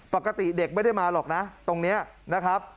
ปกติเด็กไม่ได้มาหรอกนะตรงนี้นะครับ